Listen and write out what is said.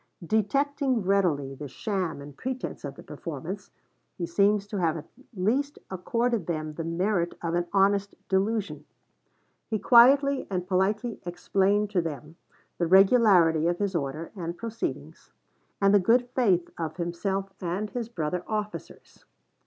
Detecting readily the sham and pretense of the performance, he seems to have at least accorded them the merit of an honest delusion. He quietly and politely explained to them the regularity of his orders and proceedings, and the good faith of himself and his brother officers.